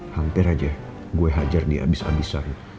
hampir aja gue hajar dia abis abisan